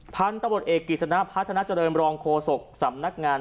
พันธุ์ตำรวจเอกกิจสนะพัฒนาเจริญรองโฆษกสำนักงาน